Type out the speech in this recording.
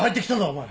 お前！